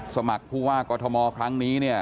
สมัครภูวากอทมครั้งนี้